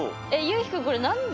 ゆうひくん